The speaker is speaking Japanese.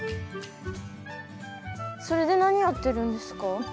それで何やってるんですか？